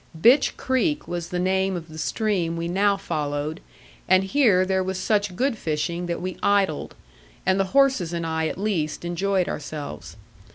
Bitch Creek was the name of the stream we now followed, and here there was such good fishing that we idled; and the horses and I at least enjoyed ourselves.